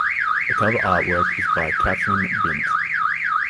The cover artwork is by Kathryn Bint.